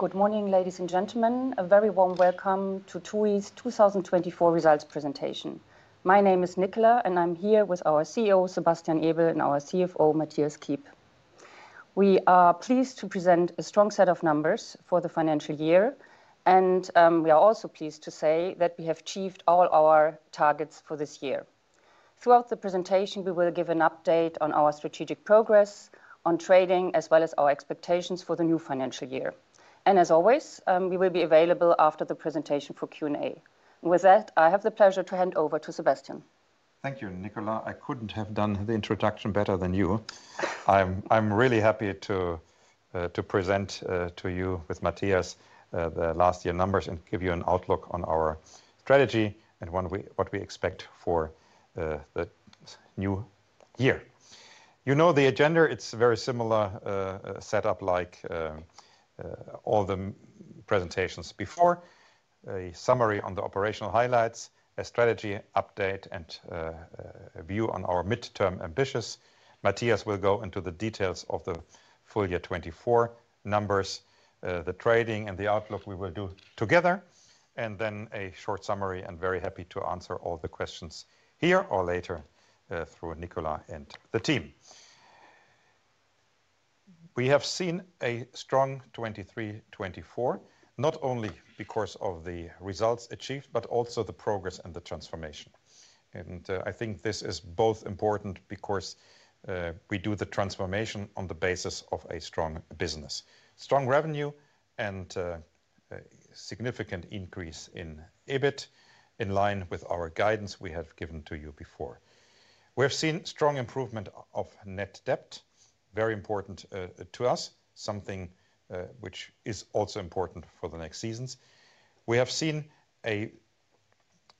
Good morning, ladies and gentlemen. A very warm welcome to TUI's 2024 results presentation. My name is Nicola, and I'm here with our CEO, Sebastian Ebel, and our CFO, Mathias Kiep. We are pleased to present a strong set of numbers for the financial year, and we are also pleased to say that we have achieved all our targets for this year. Throughout the presentation, we will give an update on our strategic progress on trading, as well as our expectations for the new financial year. And as always, we will be available after the presentation for Q&A. With that, I have the pleasure to hand over to Sebastian. Thank you, Nicola. I couldn't have done the introduction better than you. I'm really happy to present to you with Mathias the last year's numbers and give you an outlook on our strategy and what we expect for the new year. You know the agenda. It's a very similar setup like all the presentations before: a summary on the operational highlights, a strategy update, and a view on our midterm ambitions. Mathias will go into the details of the full year 2024 numbers, the trading and the outlook we will do together, and then a short summary. I'm very happy to answer all the questions here or later through Nicola and the team. We have seen a strong 2023-2024, not only because of the results achieved, but also the progress and the transformation. I think this is both important because we do the transformation on the basis of a strong business, strong revenue, and a significant increase in EBIT in line with our guidance we have given to you before. We have seen strong improvement of net debt, very important to us, something which is also important for the next seasons. We have seen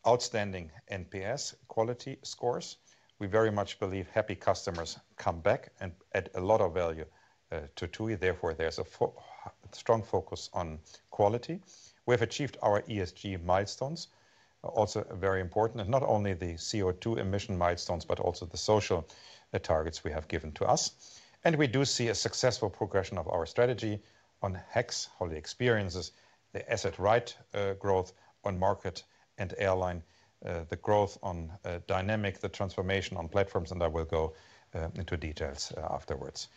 outstanding NPS quality scores. We very much believe happy customers come back and add a lot of value to TUI. Therefore, there's a strong focus on quality. We have achieved our ESG milestones, also very important, and not only the CO2 emission milestones, but also the social targets we have given to us. We do see a successful progression of our strategy on HEX, Holiday Experiences, the asset-light growth on market and airline, the growth on dynamic, the transformation on platforms, and I will go into details afterwards.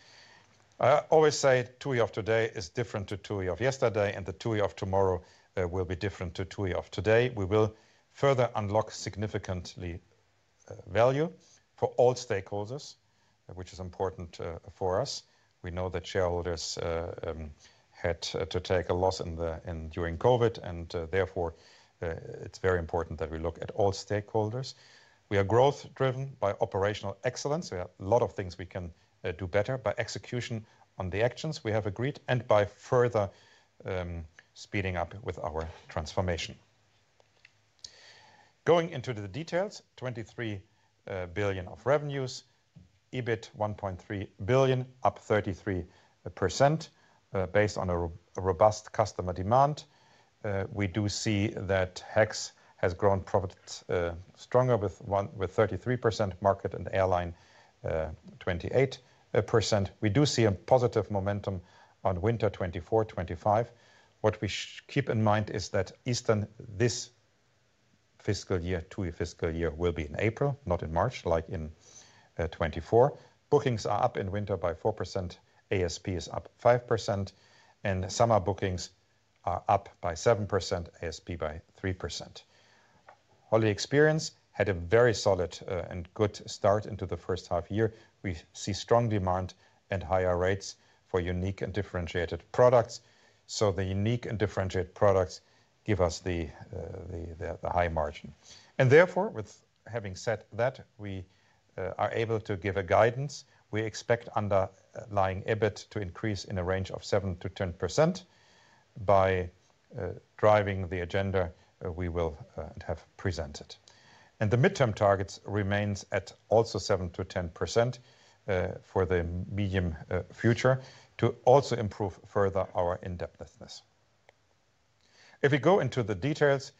I always say TUI of today is different to TUI of yesterday, and the TUI of tomorrow will be different to TUI of today. We will further unlock significant value for all stakeholders, which is important for us. We know that shareholders had to take a loss during COVID, and therefore it's very important that we look at all stakeholders. We are growth-driven by operational excellence. We have a lot of things we can do better by execution on the actions we have agreed and by further speeding up with our transformation. Going into the details, 23 billion of revenues, EBIT 1.3 billion, up 33% based on a robust customer demand. We do see that HEX has grown profits stronger with 33%, market and airline 28%. We do see a positive momentum on winter 2024-2025. What we keep in mind is that this fiscal year, TUI fiscal year, will be in April, not in March like in 2024. Bookings are up in winter by 4%, ASP is up 5%, and summer bookings are up by 7%, ASP by 3%. Holiday Experiences had a very solid and good start into the first half year. We see strong demand and higher rates for unique and differentiated products. So the unique and differentiated products give us the high margin. And therefore, with having said that, we are able to give a guidance. We expect underlying EBIT to increase in a range of 7% to 10% by driving the agenda we will have presented. And the midterm targets remain at also 7% to 10% for the medium future to also improve further our indebtedness. If we go into the details,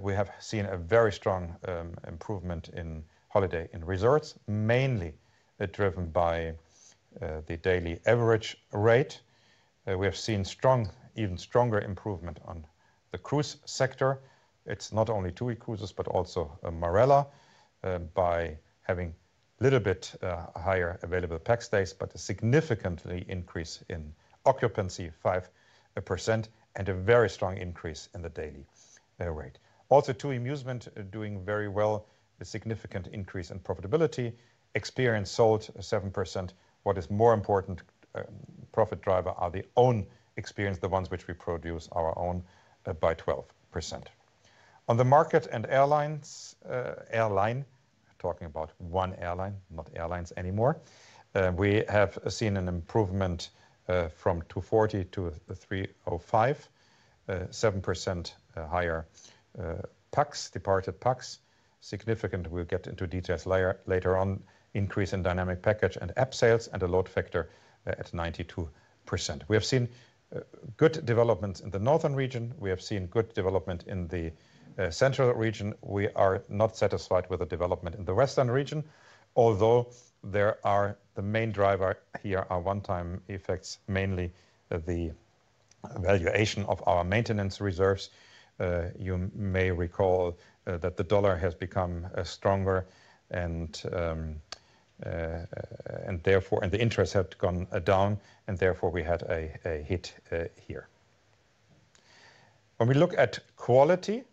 we have seen a very strong improvement in Hotels & Resorts, mainly driven by the daily average rate. We have seen even stronger improvement on the cruise sector. It's not only TUI Cruises, but also Marella by having a little bit higher available PAX stays, but a significant increase in occupancy of 5% and a very strong increase in the daily rate. Also, TUI Musement doing very well, a significant increase in profitability. Experiences sold 7%. What is more important profit driver are the own experiences, the ones which we produce our own by 12%. On the market and airlines, airline, talking about one airline, not airlines anymore. We have seen an improvement from 240 to 305, 7% higher departed PAX. Significantly, we'll get into details later on, increase in dynamic package and app sales and a load factor at 92%. We have seen good developments in the Northern Region. We have seen good development in the Central Region. We are not satisfied with the development in the Western Region, although there are the main driver here are one-time effects, mainly the valuation of our maintenance reserves. You may recall that the dollar has become stronger and therefore the interest had gone down, and therefore we had a hit here. When we look at quality,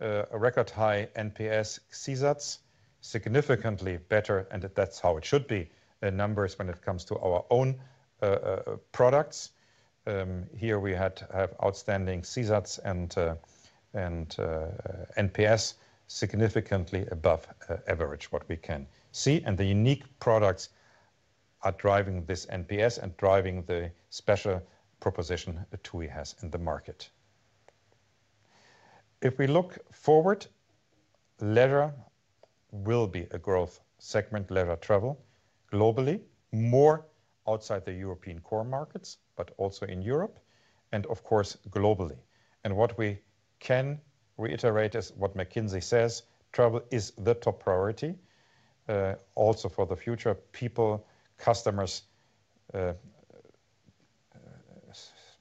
a record high NPS, CSATs significantly better, and that's how it should be numbers when it comes to our own products. Here we have outstanding CSATs and NPS significantly above average, what we can see, and the unique products are driving this NPS and driving the special proposition TUI has in the market. If we look forward, leisure will be a growth segment, leisure travel globally, more outside the European core markets, but also in Europe and of course globally, and what we can reiterate is what McKinsey says, travel is the top priority also for the future. People, customers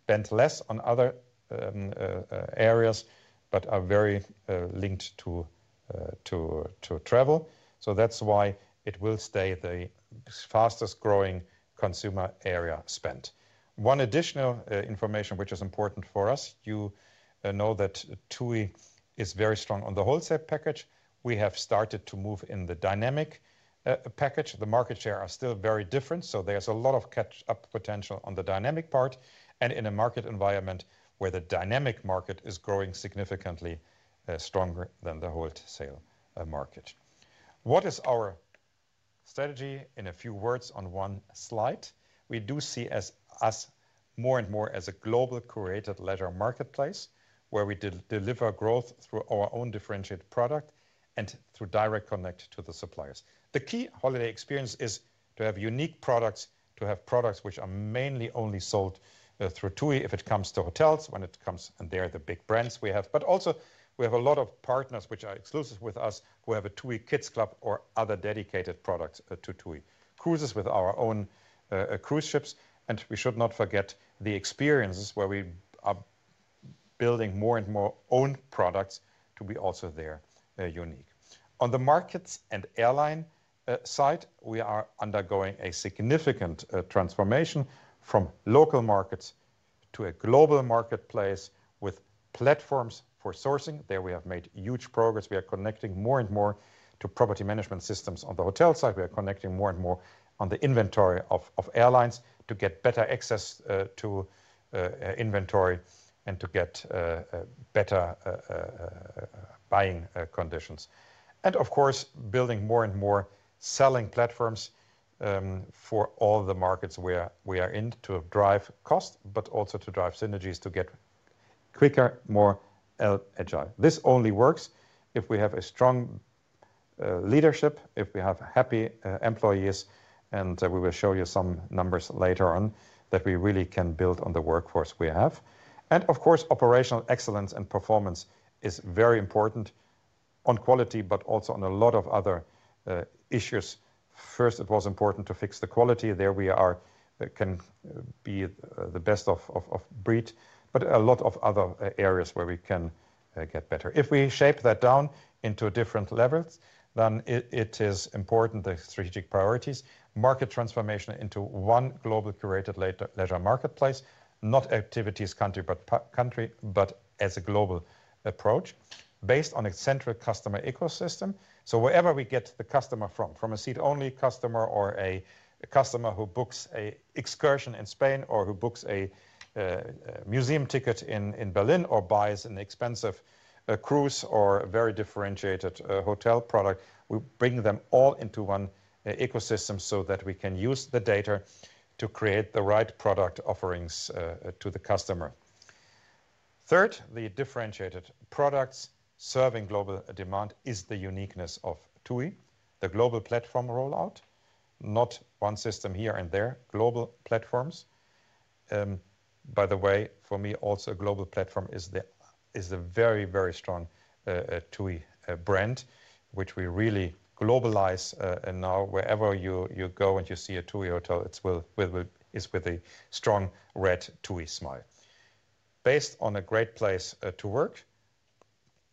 spend less on other areas, but are very linked to travel, so that's why it will stay the fastest growing consumer area spent. One additional information which is important for us, you know that TUI is very strong on the wholesale package. We have started to move in the dynamic package. The market share are still very different, so there's a lot of catch-up potential on the dynamic part and in a market environment where the dynamic market is growing significantly stronger than the wholesale market. What is our strategy in a few words on one slide? We do see us more and more as a global curated leisure marketplace where we deliver growth through our own differentiated product and through direct connect to the suppliers. The key holiday experience is to have unique products, to have products which are mainly only sold through TUI if it comes to hotels, when it comes and they're the big brands we have, but also we have a lot of partners which are exclusive with us who have a TUI Kids Club or other dedicated products to TUI Cruises with our own cruise ships. And we should not forget the experiences where we are building more and more own products to be also their unique. On the markets and airline side, we are undergoing a significant transformation from local markets to a global marketplace with platforms for sourcing. There we have made huge progress. We are connecting more and more to property management systems on the hotel side. We are connecting more and more on the inventory of airlines to get better access to inventory and to get better buying conditions. And of course, building more and more selling platforms for all the markets where we are in to drive cost, but also to drive synergies to get quicker, more agile. This only works if we have a strong leadership, if we have happy employees, and we will show you some numbers later on that we really can build on the workforce we have. And of course, operational excellence and performance is very important on quality, but also on a lot of other issues. First, it was important to fix the quality. There we can be the best of breed, but a lot of other areas where we can get better. If we shape that down into different levels, then it is important: the strategic priorities, market transformation into one global curated leisure marketplace, not activities country, but as a global approach based on a central customer ecosystem. So wherever we get the customer from, from a seat-only customer or a customer who books an excursion in Spain or who books a museum ticket in Berlin or buys an expensive cruise or a very differentiated hotel product, we bring them all into one ecosystem so that we can use the data to create the right product offerings to the customer. Third, the differentiated products serving global demand is the uniqueness of TUI, the global platform rollout, not one system here and there, global platforms. By the way, for me, also a global platform is a very, very strong TUI brand, which we really globalize. And now, wherever you go and you see a TUI hotel, it's with a strong red TUI smile. Based on a great place to work,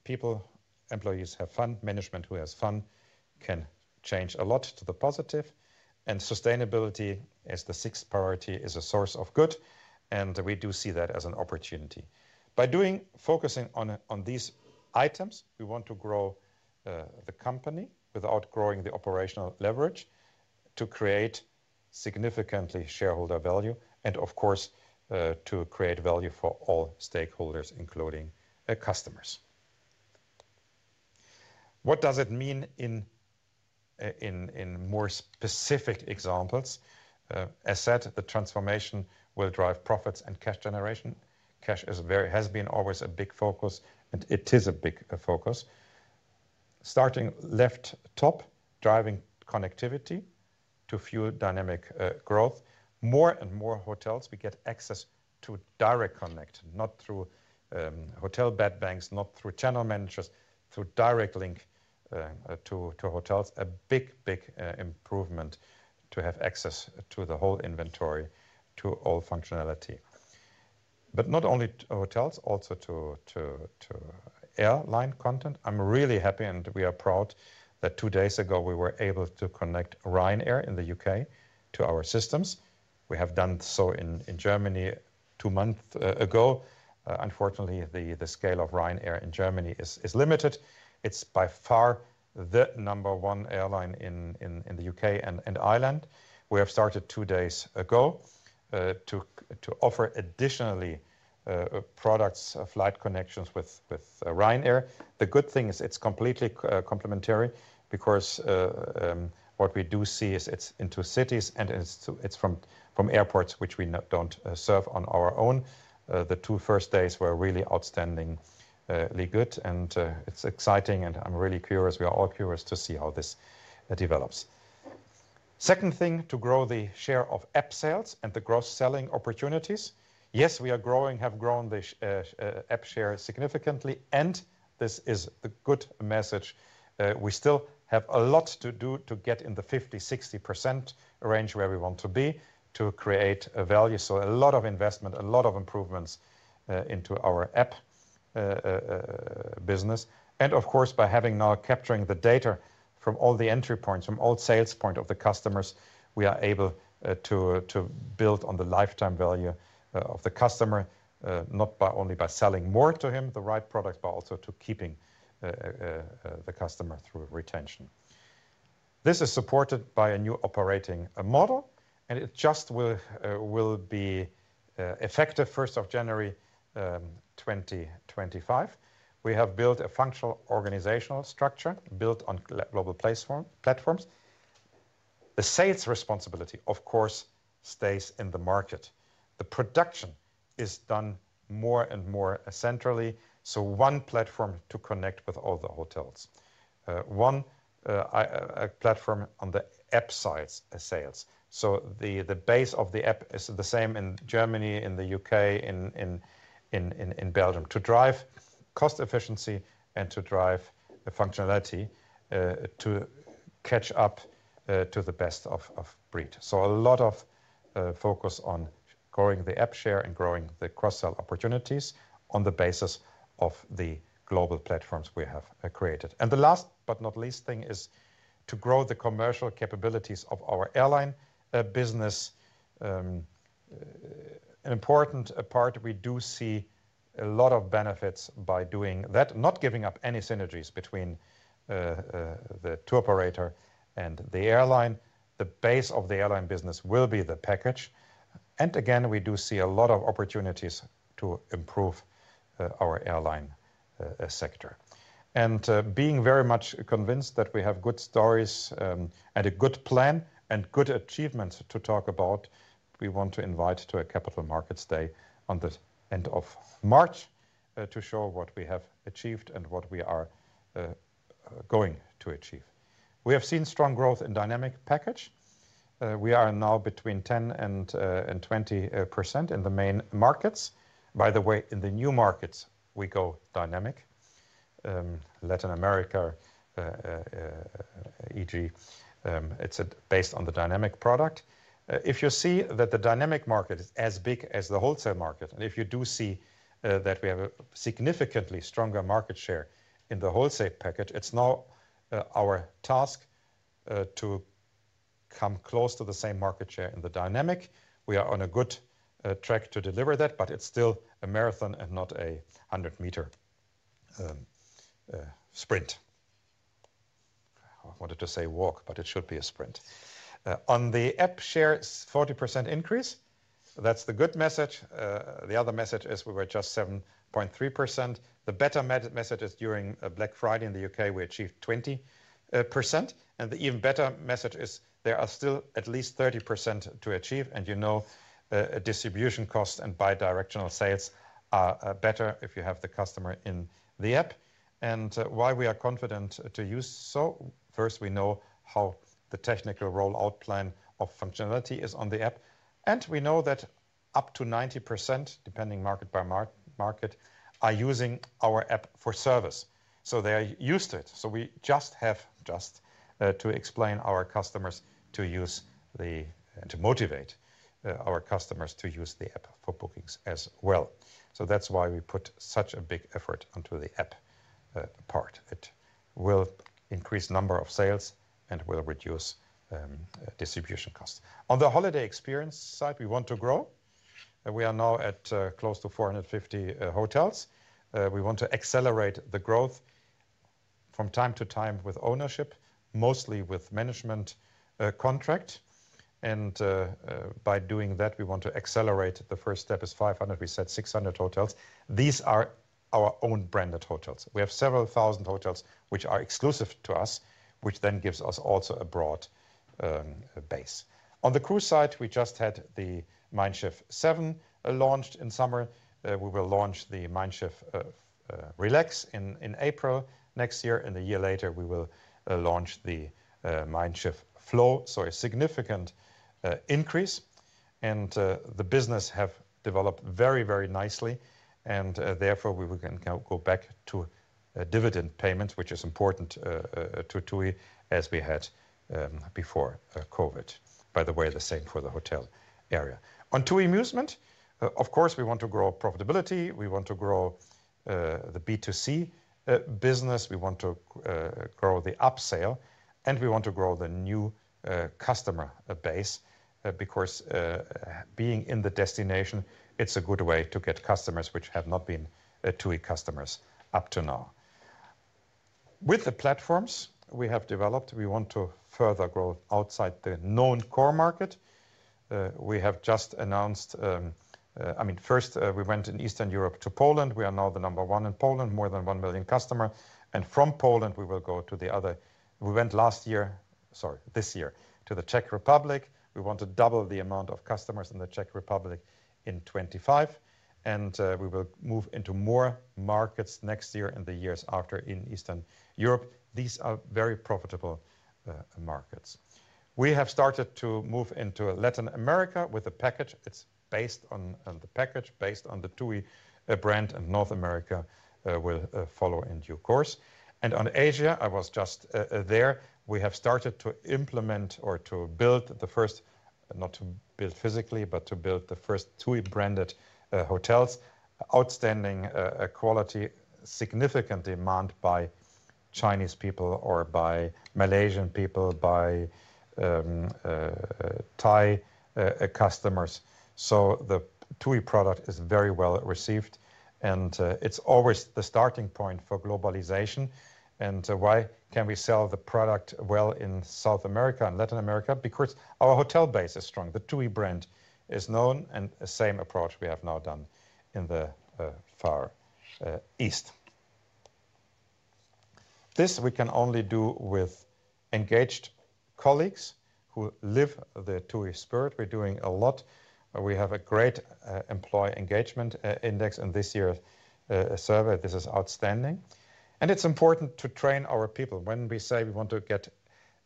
people, employees have fun. Management who has fun can change a lot to the positive. And sustainability as the sixth priority is a source of good. And we do see that as an opportunity. By focusing on these items, we want to grow the company without growing the operational leverage to create significantly shareholder value and of course to create value for all stakeholders, including customers. What does it mean in more specific examples? As said, the transformation will drive profits and cash generation. Cash has been always a big focus and it is a big focus. Starting left top, driving connectivity to fuel dynamic growth. More and more hotels, we get access to direct connect, not through hotel bed banks, not through channel managers, through direct link to hotels. A big, big improvement to have access to the whole inventory, to all functionality. But not only hotels, also to airline content. I'm really happy and we are proud that two days ago we were able to connect Ryanair in the U.K. to our systems. We have done so in Germany two months ago. Unfortunately, the scale of Ryanair in Germany is limited. It's by far the number one airline in the U.K. and Ireland. We have started two days ago to offer additionally products, flight connections with Ryanair. The good thing is it's completely complementary because what we do see is it's into cities and it's from airports which we don't serve on our own. The two first days were really outstandingly good, and it's exciting, and I'm really curious. We are all curious to see how this develops. Second thing to grow the share of app sales and the gross selling opportunities. Yes, we are growing, have grown the app share significantly, and this is the good message. We still have a lot to do to get in the 50%-60% range where we want to be to create value. So a lot of investment, a lot of improvements into our app business, and of course, by having now capturing the data from all the entry points, from all sales points of the customers, we are able to build on the lifetime value of the customer, not only by selling more to him, the right products, but also to keeping the customer through retention. This is supported by a new operating model, and it just will be effective 1st of January 2025. We have built a functional organizational structure built on global platforms. The sales responsibility, of course, stays in the market. The production is done more and more centrally. So one platform to connect with all the hotels, one platform on the app sides sales. So the base of the app is the same in Germany, in the UK, in Belgium to drive cost efficiency and to drive the functionality to catch up to the best of breed. So a lot of focus on growing the app share and growing the cross-sell opportunities on the basis of the global platforms we have created. And the last but not least thing is to grow the commercial capabilities of our airline business. An important part we do see a lot of benefits by doing that, not giving up any synergies between the tour operator and the airline. The base of the airline business will be the package. And again, we do see a lot of opportunities to improve our airline sector. And being very much convinced that we have good stories and a good plan and good achievements to talk about, we want to invite to a capital markets day on the end of March to show what we have achieved and what we are going to achieve. We have seen strong growth in dynamic package. We are now between 10%-20% in the main markets. By the way, in the new markets, we go dynamic. Latin America, e.g., it's based on the dynamic product. If you see that the dynamic market is as big as the wholesale market, and if you do see that we have a significantly stronger market share in the wholesale package, it's now our task to come close to the same market share in the dynamic. We are on a good track to deliver that, but it's still a marathon and not a 100-meter sprint. I wanted to say walk, but it should be a sprint. On the app share, 40% increase. That's the good message. The other message is we were just 7.3%. The better message is during Black Friday in the U.K., we achieved 20%. The even better message is there are still at least 30% to achieve. You know distribution costs and bidirectional sales are better if you have the customer in the app. And why we are confident to use so? First, we know how the technical rollout plan of functionality is on the app, and we know that up to 90%, depending market by market, are using our app for service, so they are used to it. So we just have to explain our customers to use the app and to motivate our customers to use the app for bookings as well. So that's why we put such a big effort onto the app part. It will increase the number of sales and will reduce distribution costs. On the holiday experience side, we want to grow. We are now at close to 450 hotels. We want to accelerate the growth from time to time with ownership, mostly with management contract. And by doing that, we want to accelerate. The first step is 500. We said 600 hotels. These are our own branded hotels. We have several thousand hotels which are exclusive to us, which then gives us also a broad base. On the cruise side, we just had the Mein Schiff 7 launched in summer. We will launch the Mein Schiff Relax in April next year. And a year later, we will launch the Mein Schiff Flow. So a significant increase. And the business has developed very, very nicely. And therefore, we can go back to dividend payments, which is important to TUI as we had before COVID. By the way, the same for the hotel area. On TUI Musement, of course, we want to grow profitability. We want to grow the B2C business. We want to grow the upsell. And we want to grow the new customer base because being in the destination, it's a good way to get customers which have not been TUI customers up to now. With the platforms we have developed, we want to further grow outside the known core market. We have just announced, I mean, first we went in Eastern Europe to Poland. We are now the number one in Poland, more than one million customers, and from Poland, we will go to the other. We went last year, sorry, this year to the Czech Republic. We want to double the amount of customers in the Czech Republic in 2025, and we will move into more markets next year and the years after in Eastern Europe. These are very profitable markets. We have started to move into Latin America with a package. It's based on the package based on the TUI brand, and North America will follow in due course, and on Asia, I was just there. We have started to implement or to build the first, not to build physically, but to build the first TUI branded hotels, outstanding quality, significant demand by Chinese people or by Malaysian people, by Thai customers. So the TUI product is very well received. And it's always the starting point for globalization. And why can we sell the product well in South America and Latin America? Because our hotel base is strong. The TUI brand is known. And same approach we have now done in the Far East. This we can only do with engaged colleagues who live the TUI spirit. We're doing a lot. We have a great employee engagement index. And this year's survey, this is outstanding. And it's important to train our people. When we say we want to get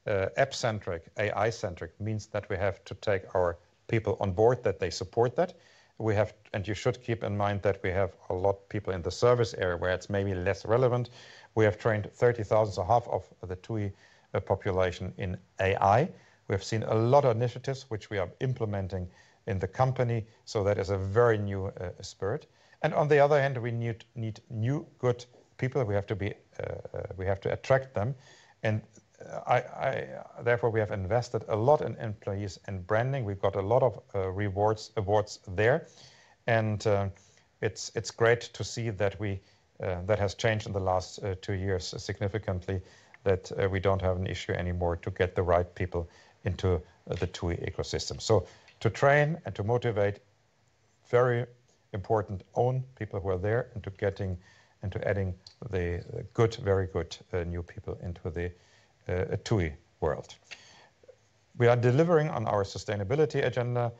app-centric, AI-centric, it means that we have to take our people on board, that they support that. You should keep in mind that we have a lot of people in the service area where it's maybe less relevant. We have trained 30,000, so half of the TUI population in AI. We have seen a lot of initiatives which we are implementing in the company. So that is a very new spirit. On the other hand, we need new good people. We have to attract them. Therefore, we have invested a lot in employees and branding. We've got a lot of rewards there. It's great to see that we has changed in the last two years significantly, that we don't have an issue anymore to get the right people into the TUI ecosystem. To train and to motivate very important own people who are there and to getting and to adding the good, very good new people into the TUI world. We are delivering on our sustainability agenda.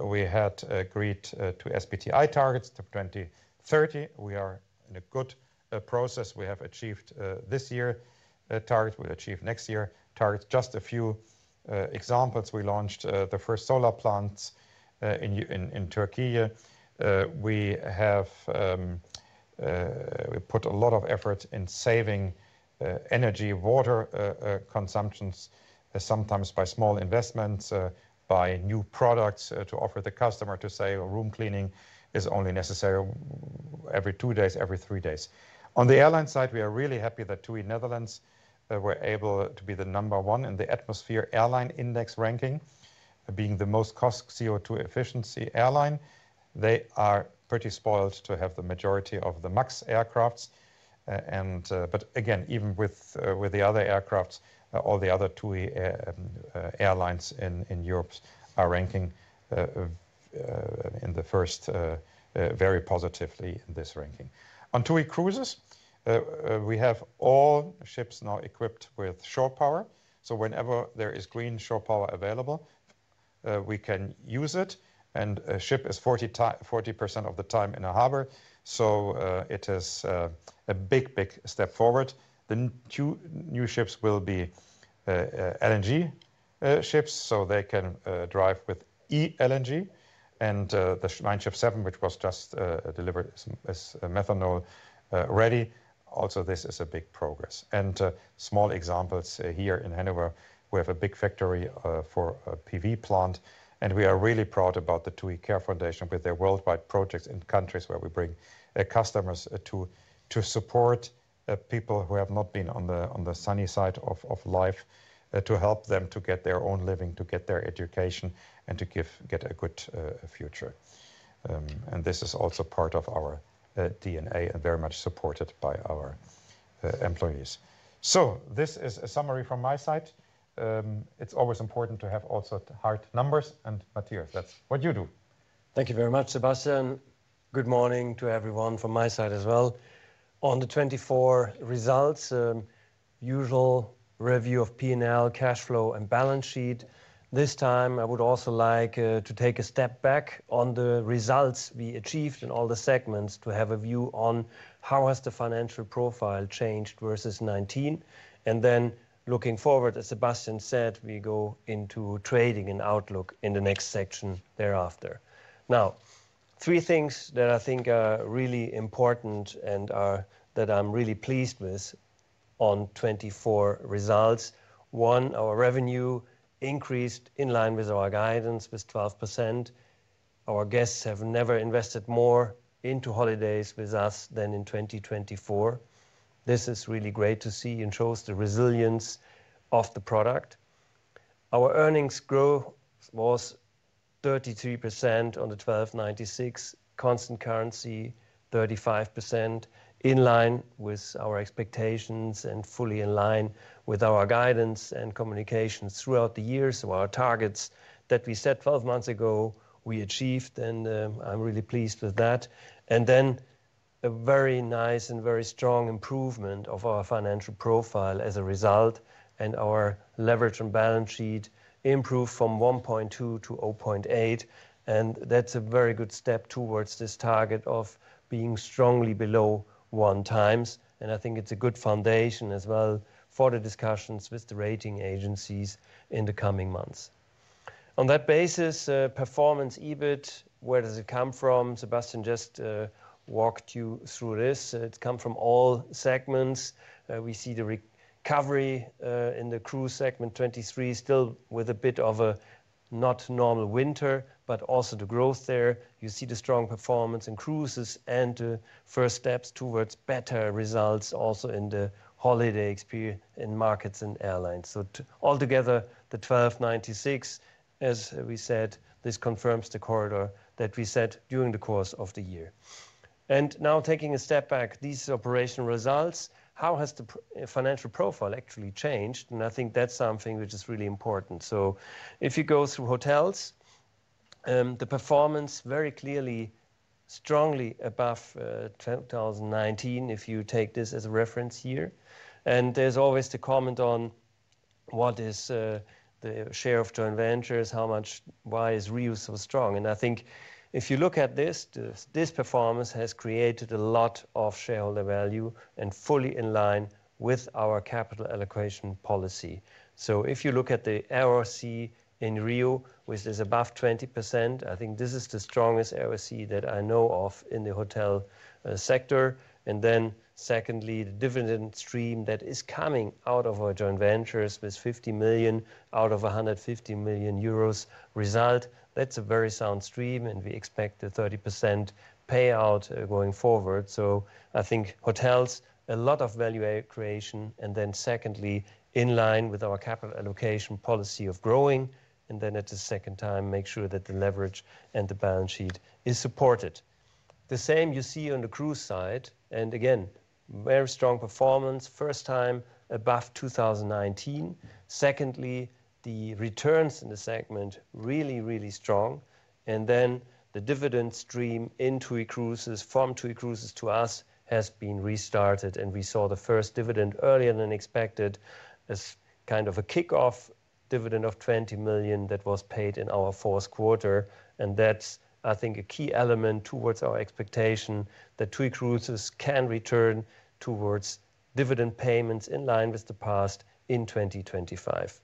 We had agreed to SBTi targets to 2030. We are in a good process. We have achieved this year target. We'll achieve next year target. Just a few examples. We launched the first solar plants in Türkiye. We have put a lot of effort in saving energy, water consumptions, sometimes by small investments, by new products to offer the customer to say room cleaning is only necessary every two days, every three days. On the airline side, we are really happy that TUI Netherlands were able to be the number one in the atmosfair Airline Index ranking, being the most CO2-efficient airline. They are pretty spoiled to have the majority of the MAX aircrafts. But again, even with the other aircrafts, all the other TUI airlines in Europe are ranking in the first very positively in this ranking. On TUI Cruises, we have all ships now equipped with shore power. So whenever there is green shore power available, we can use it. And a ship is 40% of the time in a harbor. So it is a big, big step forward. The new ships will be LNG ships. So they can drive with e-LNG. And the Mein Schiff 7, which was just delivered as methanol ready, also this is a big progress. And small examples here in Hanover, we have a big factory for a PV plant. And we are really proud about the TUI Care Foundation with their worldwide projects in countries where we bring customers to support people who have not been on the sunny side of life to help them to get their own living, to get their education, and to get a good future. This is also part of our DNA and very much supported by our employees. So this is a summary from my side. It's always important to have also hard numbers and materials. That's what you do. Thank you very much, Sebastian. Good morning to everyone from my side as well. On the 2024 results, usual review of P&L, cash flow, and balance sheet. This time, I would also like to take a step back on the results we achieved in all the segments to have a view on how has the financial profile changed versus 2019. Then looking forward, as Sebastian said, we go into trading and outlook in the next section thereafter. Now, three things that I think are really important and that I'm really pleased with on 2024 results. One, our revenue increased in line with our guidance with 12%. Our guests have never invested more into holidays with us than in 2024. This is really great to see and shows the resilience of the product. Our earnings growth was 33% on the 12, constant currency 35%, in line with our expectations and fully in line with our guidance and communications throughout the years. So our targets that we set 12 months ago, we achieved. And I'm really pleased with that. And then a very nice and very strong improvement of our financial profile as a result. And our leverage and balance sheet improved from 1.2 to 0.8. And that's a very good step towards this target of being strongly below one times. And I think it's a good foundation as well for the discussions with the rating agencies in the coming months. On that basis, performance EBIT, where does it come from? Sebastian just walked you through this. It's come from all segments. We see the recovery in the cruise segment 2023, still with a bit of a not normal winter, but also the growth there. You see the strong performance in cruises and the first steps towards better results also in the holiday experience in markets and airlines, so altogether, the 1,296, as we said, this confirms the corridor that we set during the course of the year, and now taking a step back, these operational results, how has the financial profile actually changed, and I think that's something which is really important, so if you go through hotels, the performance very clearly strongly above 2019 if you take this as a reference year, and there's always the comment on what is the share of joint ventures, how much, why is RIU so strong? I think if you look at this, this performance has created a lot of shareholder value and fully in line with our capital allocation policy. So if you look at the ROCE in RIU, which is above 20%, I think this is the strongest ROCE that I know of in the hotel sector. And then secondly, the dividend stream that is coming out of our joint ventures with 50 million out of 150 million euros result, that's a very sound stream. And we expect a 30% payout going forward. So I think hotels, a lot of value creation. And then secondly, in line with our capital allocation policy of growing. And then at the second time, make sure that the leverage and the balance sheet is supported. The same you see on the cruise side. And again, very strong performance, first time above 2019. Secondly, the returns in the segment really, really strong. And then the dividend stream in TUI Cruises, from TUI Cruises to us, has been restarted. And we saw the first dividend earlier than expected as kind of a kickoff dividend of 20 million EUR that was paid in our fourth quarter. And that's, I think, a key element towards our expectation that TUI Cruises can return towards dividend payments in line with the past in 2025.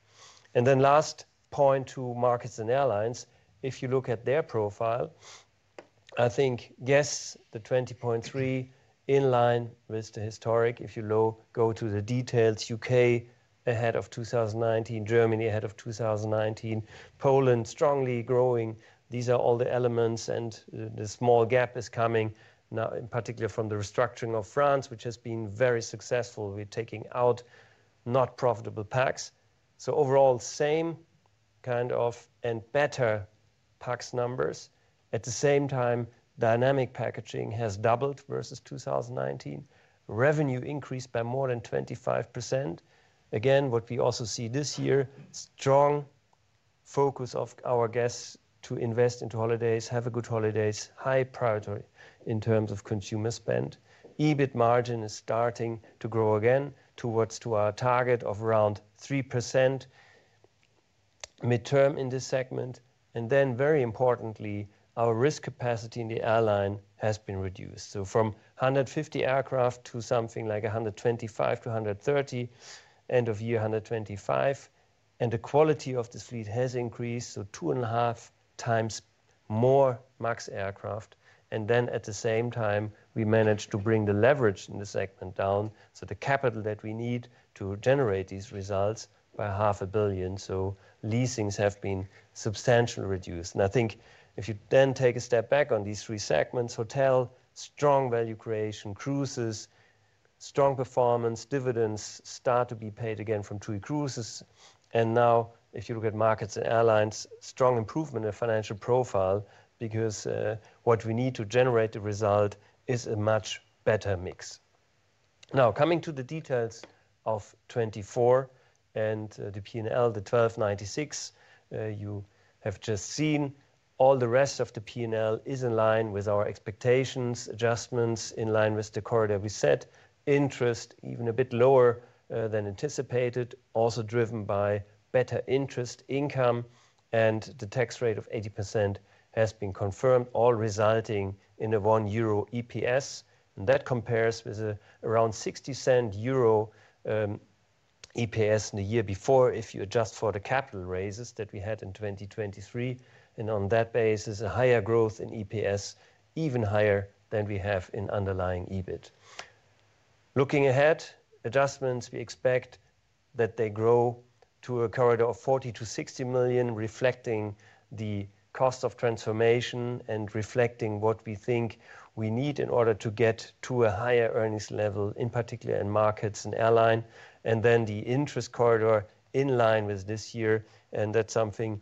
And then last point to markets and airlines, if you look at their profile, I think yes, the 20.3 in line with the historic. If you go to the details, UK ahead of 2019, Germany ahead of 2019, Poland strongly growing. These are all the elements. And the small gap is coming now, in particular from the restructuring of France, which has been very successful with taking out not profitable PAX. So overall, same kind of and better PAX numbers. At the same time, dynamic packaging has doubled versus 2019. Revenue increased by more than 25%. Again, what we also see this year, strong focus of our guests to invest into holidays, have a good holidays, high priority in terms of consumer spend. EBIT margin is starting to grow again towards our target of around 3% midterm in this segment. And then very importantly, our risk capacity in the airline has been reduced. So from 150 aircraft to something like 125-130, end of year 125. And the quality of this fleet has increased, so two and a half times more MAX aircraft. And then at the same time, we managed to bring the leverage in the segment down. So the capital that we need to generate these results by 500 million. So leasings have been substantially reduced. I think if you then take a step back on these three segments, Hotels, strong value creation, Cruises, strong performance, dividends start to be paid again from TUI Cruises. Now if you look at Markets and Airlines, strong improvement in financial profile because what we need to generate the result is a much better mix. Now coming to the details of 2024 and the P&L, the 129.6, you have just seen all the rest of the P&L is in line with our expectations, adjustments in line with the corridor we set. Interest even a bit lower than anticipated, also driven by better interest income. The tax rate of 80% has been confirmed, all resulting in 1 euro EPS. That compares with around 0.60 EPS in the year before if you adjust for the capital raises that we had in 2023. And on that basis, a higher growth in EPS, even higher than we have in underlying EBIT. Looking ahead, adjustments, we expect that they grow to a corridor of 40 million-60 million, reflecting the cost of transformation and reflecting what we think we need in order to get to a higher earnings level, in particular in markets and airline. And then the interest corridor in line with this year. And that's something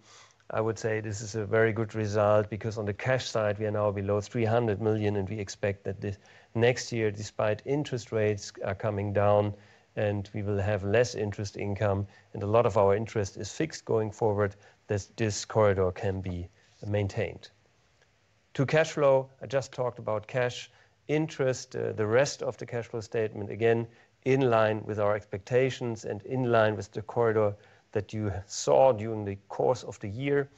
I would say this is a very good result because on the cash side, we are now below 300 million. And we expect that next year, despite interest rates coming down, and we will have less interest income and a lot of our interest is fixed going forward, this corridor can be maintained. To cash flow, I just talked about cash interest, the rest of the cash flow statement, again, in line with our expectations and in line with the corridor that you saw during the course of the year,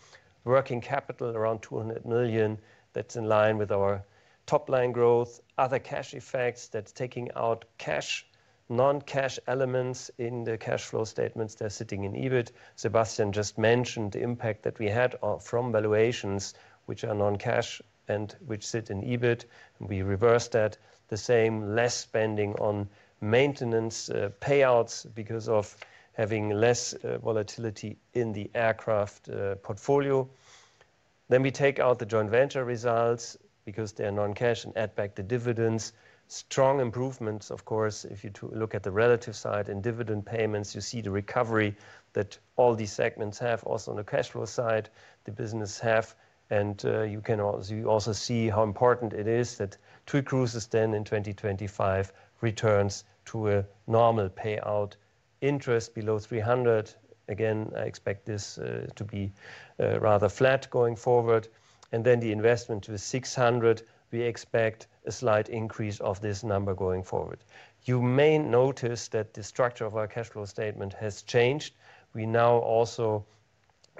working capital around 200 million. That's in line with our top line growth, other cash effects that's taking out cash, non-cash elements in the cash flow statements that are sitting in EBIT. Sebastian just mentioned the impact that we had from valuations, which are non-cash and which sit in EBIT. We reversed that, the same less spending on maintenance payouts because of having less volatility in the aircraft portfolio. We take out the joint venture results because they are non-cash and add back the dividends. Strong improvements, of course. If you look at the relative side in dividend payments, you see the recovery that all these segments have also on the cash flow side the business have. And you can also see how important it is that TUI Cruises then in 2025 returns to a normal payout interest below 300. Again, I expect this to be rather flat going forward. And then the investment to 600, we expect a slight increase of this number going forward. You may notice that the structure of our cash flow statement has changed. We now also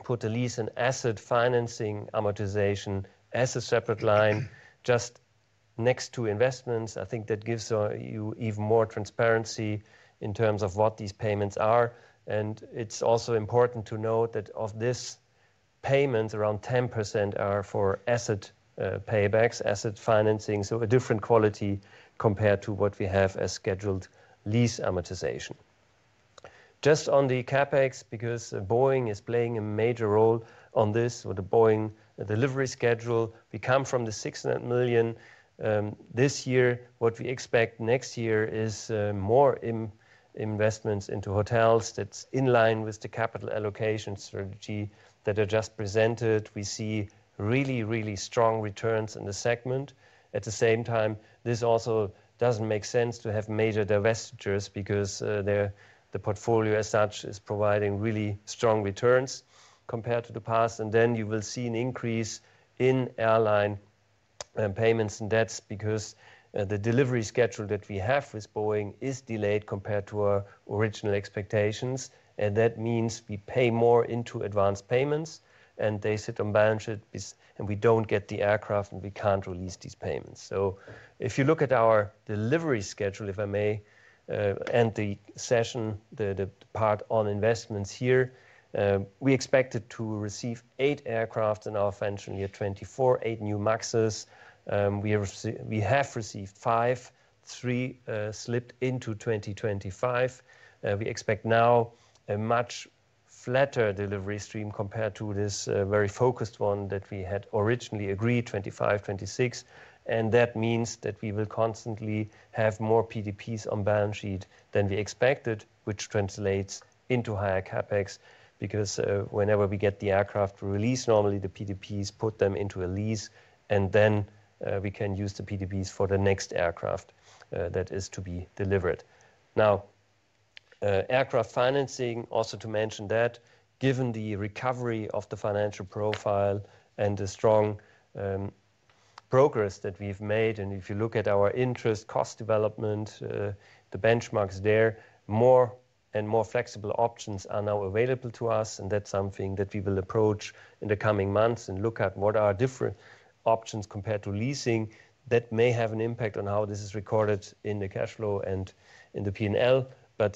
put the lease and asset financing amortization as a separate line just next to investments. I think that gives you even more transparency in terms of what these payments are. And it's also important to note that of this payments, around 10% are for asset paybacks, asset financing. So, a different quality compared to what we have as scheduled lease amortization. Just on the CapEx, because Boeing is playing a major role on this with the Boeing delivery schedule, we come from the 600 million this year. What we expect next year is more investments into hotels. That's in line with the capital allocation strategy that I just presented. We see really, really strong returns in the segment. At the same time, this also doesn't make sense to have major divestitures because the portfolio as such is providing really strong returns compared to the past. And then you will see an increase in airline payments and debts because the delivery schedule that we have with Boeing is delayed compared to our original expectations. And that means we pay more into advance payments. And they sit on balance sheets. And we don't get the aircraft and we can't release these payments. So if you look at our delivery schedule, if I may, and the section, the part on investments here, we expected to receive eight aircraft in our financial year 2024, eight new MAXs. We have received five, three slipped into 2025. We expect now a much flatter delivery stream compared to this very focused one that we had originally agreed 2025, 2026. And that means that we will constantly have more PDPs on balance sheet than we expected, which translates into higher CapEx because whenever we get the aircraft release, normally the PDPs put them into a lease. And then we can use the PDPs for the next aircraft that is to be delivered. Now, aircraft financing, also to mention that given the recovery of the financial profile and the strong progress that we've made. If you look at our interest cost development, the benchmarks there, more and more flexible options are now available to us. That's something that we will approach in the coming months and look at what are different options compared to leasing that may have an impact on how this is recorded in the cash flow and in the P&L.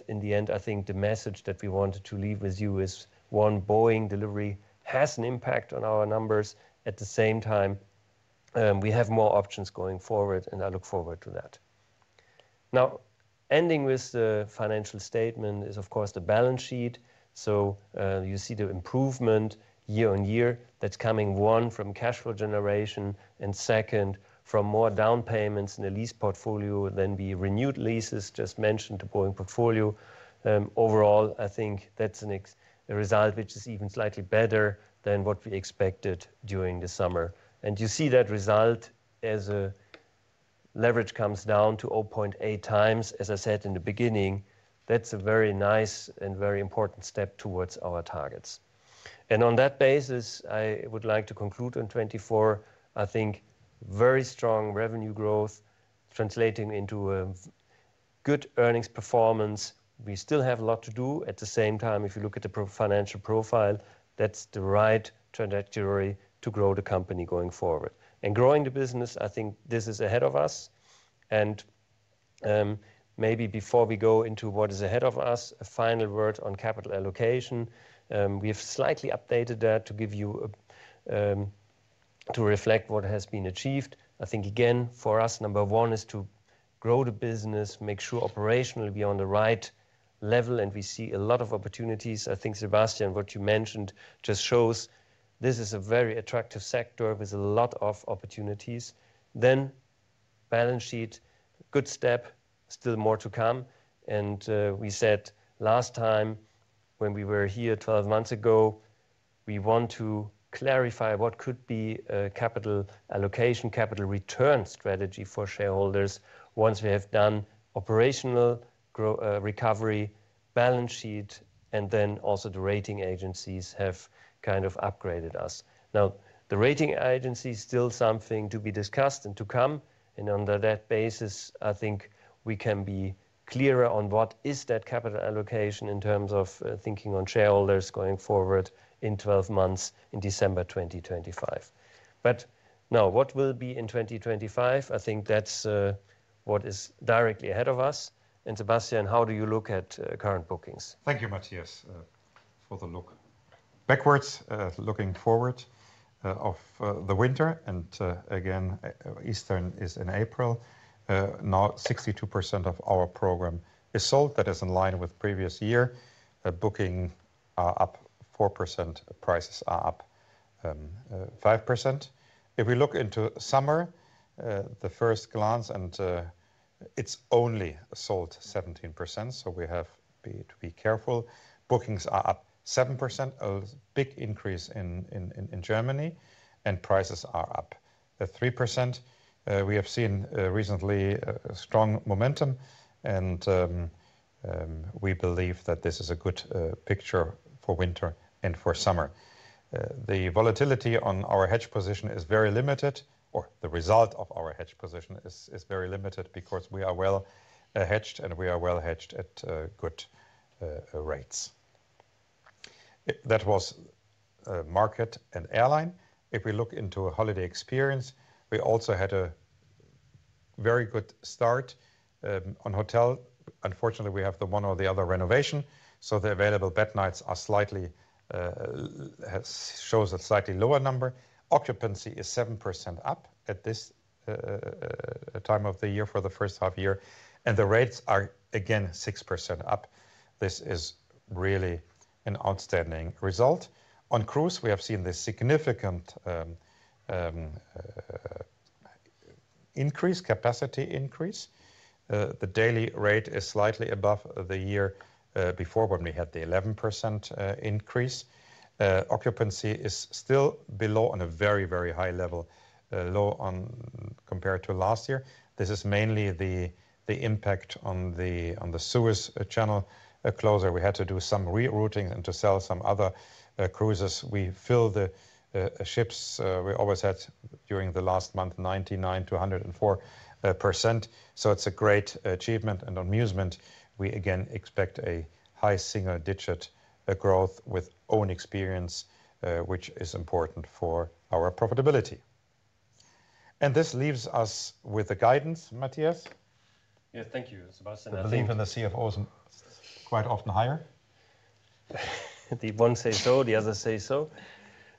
In the end, I think the message that we wanted to leave with you is one, Boeing delivery has an impact on our numbers. At the same time, we have more options going forward. I look forward to that. Now, ending with the financial statement is, of course, the balance sheet. You see the improvement year on year that's coming, one from cash flow generation and second from more down payments in the lease portfolio than the renewed leases just mentioned to Boeing portfolio. Overall, I think that's a result which is even slightly better than what we expected during the summer. And you see that result as leverage comes down to 0.8 times, as I said in the beginning. That's a very nice and very important step towards our targets. And on that basis, I would like to conclude on 2024. I think very strong revenue growth translating into a good earnings performance. We still have a lot to do. At the same time, if you look at the financial profile, that's the right trajectory to grow the company going forward. And growing the business, I think this is ahead of us. And maybe before we go into what is ahead of us, a final word on capital allocation. We have slightly updated that to give you to reflect what has been achieved. I think again, for us, number one is to grow the business, make sure operationally we are on the right level. And we see a lot of opportunities. I think, Sebastian, what you mentioned just shows this is a very attractive sector with a lot of opportunities. Then balance sheet, good step, still more to come. And we said last time when we were here 12 months ago, we want to clarify what could be a capital allocation, capital return strategy for shareholders once we have done operational recovery, balance sheet, and then also the rating agencies have kind of upgraded us. Now, the rating agency is still something to be discussed and to come. And on that basis, I think we can be clearer on what is that capital allocation in terms of thinking on shareholders going forward in 12 months in December 2025. But now, what will be in 2025? I think that's what is directly ahead of us. And Sebastian, how do you look at current bookings? Thank you, Mathias, for the look backwards, looking forward to the winter. And again, Easter is in April. Now, 62% of our program is sold. That is in line with previous year. Bookings are up 4%. Prices are up 5%. If we look into summer, at first glance, and it's only sold 17%. So we have to be careful. Bookings are up 7%, a big increase in Germany. And prices are up 3%. We have seen recently strong momentum. And we believe that this is a good picture for winter and for summer. The volatility on our hedge position is very limited, or the result of our hedge position is very limited because we are well hedged and we are well hedged at good rates. That was market and airline. If we look into a holiday experience, we also had a very good start on hotel. Unfortunately, we have the one or the other renovation. So the available bed nights are slightly showing a slightly lower number. Occupancy is 7% up at this time of the year for the first half year. And the rates are again 6% up. This is really an outstanding result. On cruise, we have seen this significant increase, capacity increase. The daily rate is slightly above the year before when we had the 11% increase. Occupancy is still below on a very, very high level, low compared to last year. This is mainly the impact on the Suez Channel closure. We had to do some rerouting and to sell some other cruises. We fill the ships. We always had during the last month 99%-104%. So it's a great achievement and Musement. We again expect a high single-digit growth with own experience, which is important for our profitability. And this leaves us with the guidance, Mathias. Yes, thank you, Sebastian. I believe it's awesome quite often higher. The one says so, the other says so.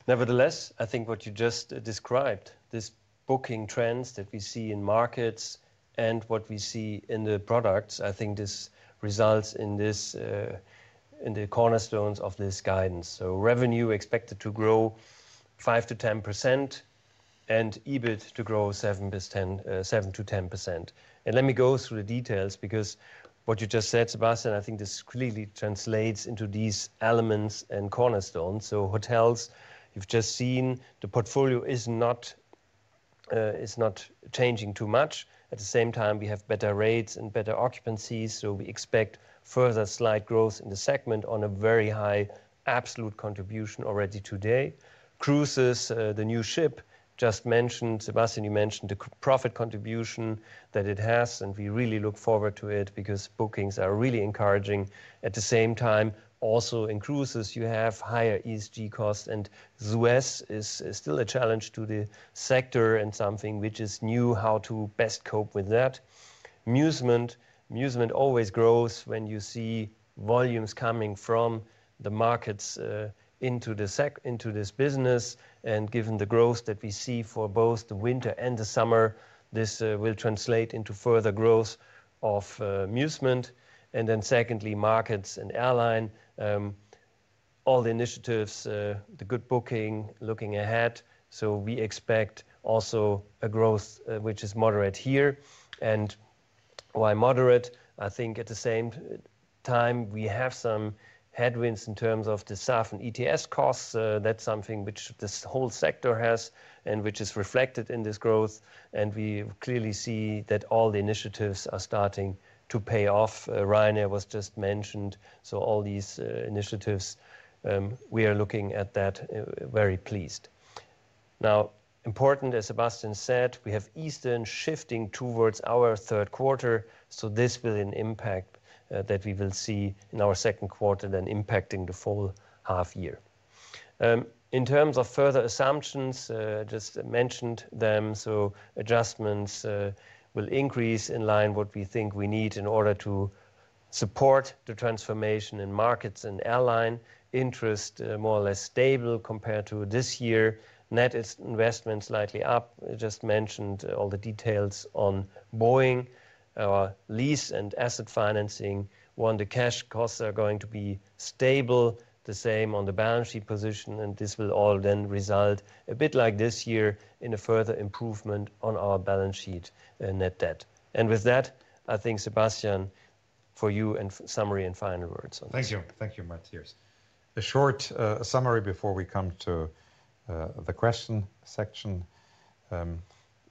Nevertheless, I think what you just described, this booking trends that we see in markets and what we see in the products, I think this results in the cornerstones of this guidance. So revenue expected to grow 5-10% and EBIT to grow 7-10%. And let me go through the details because what you just said, Sebastian, I think this clearly translates into these elements and cornerstones. So hotels, you've just seen the portfolio is not changing too much. At the same time, we have better rates and better occupancies. We expect further slight growth in the segment on a very high absolute contribution already today. Cruises, the new ship just mentioned, Sebastian, you mentioned the profit contribution that it has. We really look forward to it because bookings are really encouraging. At the same time, also in cruises, you have higher ESG costs. Suez is still a challenge to the sector and something which is new, how to best cope with that. Musement, Musement always grows when you see volumes coming from the markets into this business. Given the growth that we see for both the winter and the summer, this will translate into further growth of Musement. Then secondly, markets and airline, all the initiatives, the good booking, looking ahead. We expect also a growth which is moderate here. Why moderate? I think at the same time, we have some headwinds in terms of the SAF and ETS costs. That's something which this whole sector has and which is reflected in this growth. And we clearly see that all the initiatives are starting to pay off. Ryanair was just mentioned. So all these initiatives, we are looking at that very pleased. Now, important as Sebastian said, we have Easter shifting towards our third quarter. So this will be an impact that we will see in our second quarter then impacting the full half year. In terms of further assumptions, just mentioned them. So adjustments will increase in line what we think we need in order to support the transformation in markets and airline interest, more or less stable compared to this year. Net investment slightly up. I just mentioned all the details on Boeing, our lease and asset financing. One, the cash costs are going to be stable, the same on the balance sheet position. And this will all then result a bit like this year in a further improvement on our balance sheet net debt. And with that, I think, Sebastian, for you and summary and final words. Thank you. Thank you, Mathias. A short summary before we come to the question section.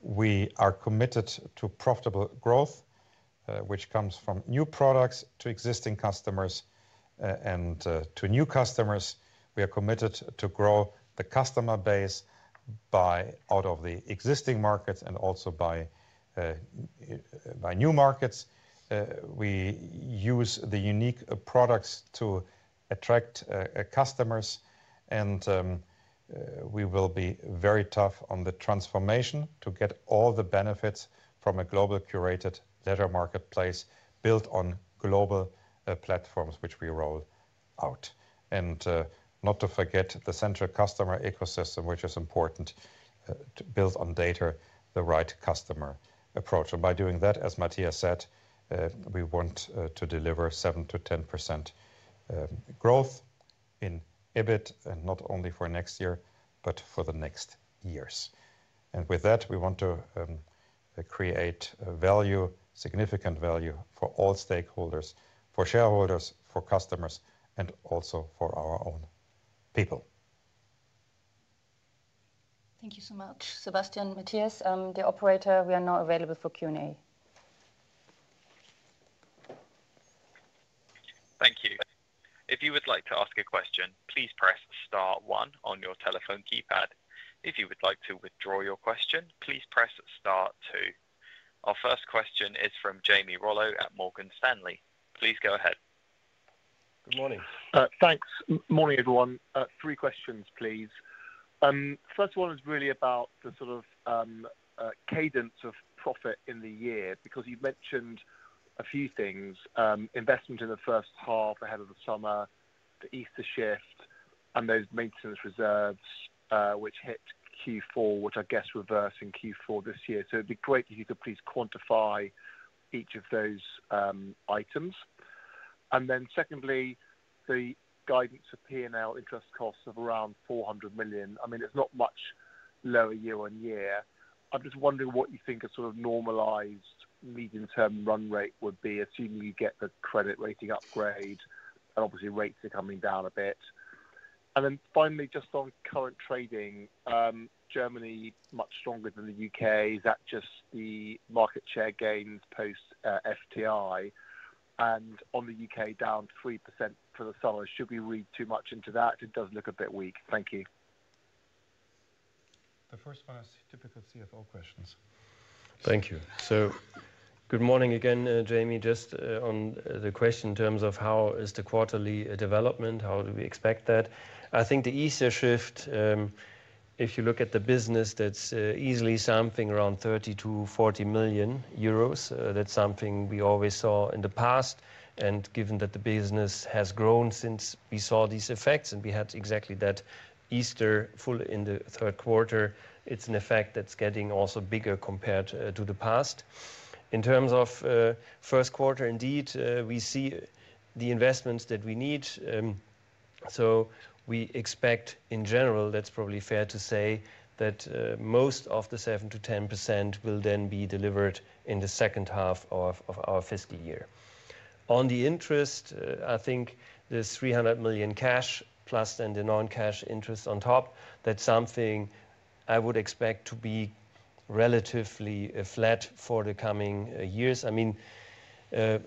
We are committed to profitable growth, which comes from new products to existing customers and to new customers. We are committed to grow the customer base by out of the existing markets and also by new markets. We use the unique products to attract customers. And we will be very tough on the transformation to get all the benefits from a global curated data marketplace built on global platforms, which we roll out. Not to forget the central customer ecosystem, which is important to build on data, the right customer approach. By doing that, as Matthias said, we want to deliver 7%-10% growth in EBIT, and not only for next year, but for the next years. With that, we want to create value, significant value for all stakeholders, for shareholders, for customers, and also for our own people. Thank you so much, Sebastian, Matthias, the operator. We are now available for Q&A. Thank you. If you would like to ask a question, please press star one on your telephone keypad. If you would like to withdraw your question, please press star two. Our first question is from Jamie Rollo at Morgan Stanley. Please go ahead. Good morning. Thanks. Morning, everyone. Three questions, please. First one is really about the sort of cadence of profit in the year because you've mentioned a few things, investment in the first half ahead of the summer, the Easter shift, and those maintenance reserves which hit Q4, which I guess reverse in Q4 this year. So it'd be great if you could please quantify each of those items. And then secondly, the guidance for P&L interest costs of around 400 million. I mean, it's not much lower year on year. I'm just wondering what you think a sort of normalized medium-term run rate would be, assuming you get the credit rating upgrade. And obviously, rates are coming down a bit. And then finally, just on current trading, Germany much stronger than the U.K. Is that just the market share gains post FTI? And on the U.K., down 3% for the summer. Should we read too much into that? It does look a bit weak. Thank you. The first one is typical CFO questions. Thank you. So good morning again, Jamie. Just on the question in terms of how is the quarterly development, how do we expect that? I think the Easter shift, if you look at the business, that's easily something around 30-40 million euros. That's something we always saw in the past. And given that the business has grown since we saw these effects and we had exactly that Easter full in the third quarter, it's an effect that's getting also bigger compared to the past. In terms of first quarter, indeed, we see the investments that we need. So we expect, in general, that's probably fair to say that most of the 7%-10% will then be delivered in the second half of our fiscal year. On the interest, I think the 300 million cash plus then the non-cash interest on top, that's something I would expect to be relatively flat for the coming years. I mean,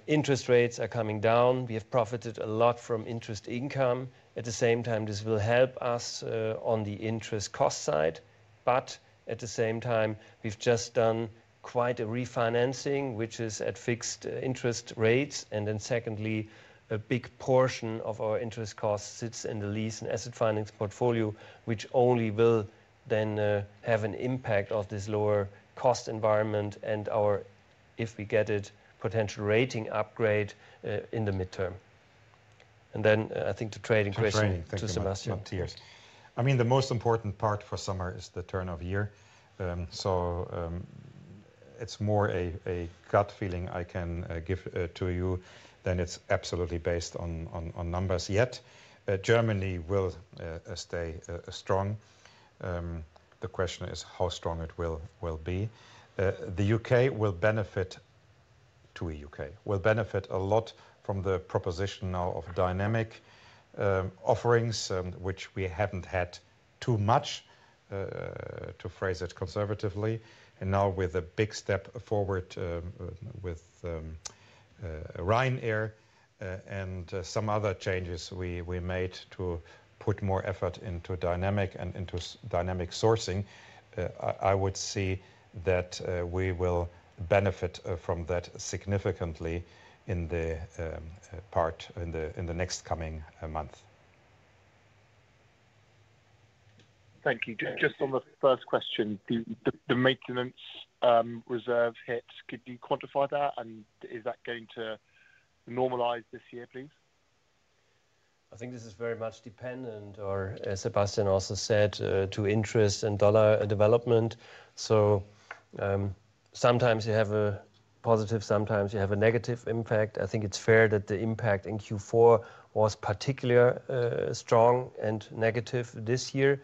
interest rates are coming down. We have profited a lot from interest income. At the same time, this will help us on the interest cost side. But at the same time, we've just done quite a refinancing, which is at fixed interest rates, and then secondly, a big portion of our interest cost sits in the lease and asset finance portfolio, which only will then have an impact of this lower cost environment and our, if we get it, potential rating upgrade in the midterm, and then I think the trading question to Sebastian. I mean, the most important part for summer is the turn of year. It's more a gut feeling I can give to you than it's absolutely based on numbers yet. Germany will stay strong. The question is how strong it will be. The UK will benefit a lot from the proposition now of dynamic offerings, which we haven't had too much, to phrase it conservatively. And now with a big step forward with Ryanair and some other changes we made to put more effort into dynamic sourcing, I would see that we will benefit from that significantly in the UK in the next coming months. Thank you. Just on the first question, the maintenance reserve hits, could you quantify that? And is that going to normalize this year, please? I think this is very much dependent, as Sebastian also said, on interest and dollar development. Sometimes you have a positive, sometimes you have a negative impact. I think it's fair that the impact in Q4 was particularly strong and negative this year.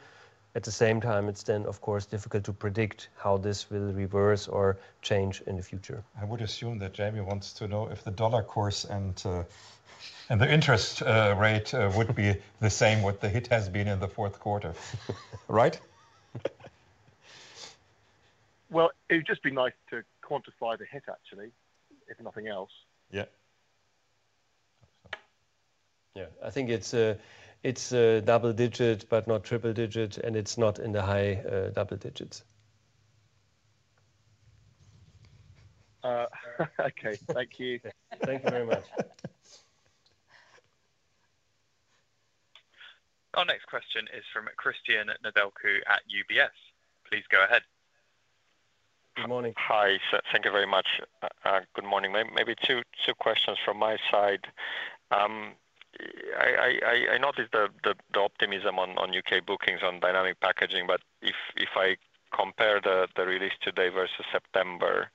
At the same time, it's then, of course, difficult to predict how this will reverse or change in the future. I would assume that Jamie wants to know if the dollar course and the interest rate would be the same what the hit has been in the fourth quarter. Right? Well, it would just be nice to quantify the hit, actually, if nothing else. Yeah. Yeah, I think it's a double digit, but not triple digit, and it's not in the high double digits. Okay, thank you. Thank you very much. Our next question is from Cristian Nedelcu at UBS. Please go ahead. Good morning. Hi, thank you very much. Good morning. Maybe two questions from my side. I noticed the optimism on UK bookings on dynamic packaging, but if I compare the release today versus September,